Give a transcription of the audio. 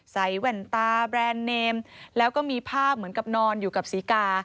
แว่นตาแบรนด์เนมแล้วก็มีภาพเหมือนกับนอนอยู่กับศรีกา